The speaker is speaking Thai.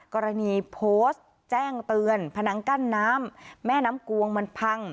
กรณีโพสต์แจ้งเตือนพนังกั้นน้ำแม่น้ำกวงมันพัง